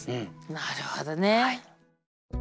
なるほどね。